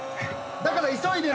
だから急いで。